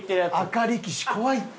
赤力士怖いって。